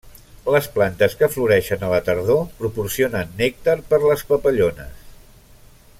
Les plantes que floreixen a la tardor proporcionen nèctar per les papallones.